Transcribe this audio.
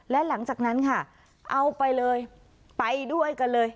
และหลังจากนั้นค่ะเอาไปเลยไปด้วยกันเลย